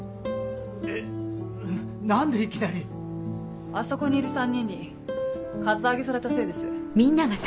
えっ何でいきなり？あそこにいる３人にカツアゲされたせいです。